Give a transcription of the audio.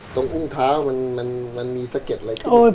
ตรงอุ้งเท้ามันมีสะเก็ดอะไรขึ้นไหม